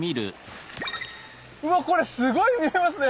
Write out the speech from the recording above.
うわっこれすごい見えますね！